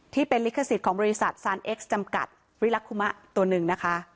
ที่เป็นลิขสิทธิ์ของบริษัทซานเอ็กซ์จำกัดวิลักคุมะตัวหนึ่งนะคะ